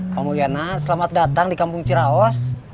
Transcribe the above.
kamuliana selamat datang di kampung ciraos